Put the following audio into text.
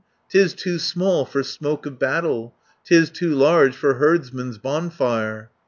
'Tis too small for smoke of battle, 'Tis too large for herdsman's bonfire."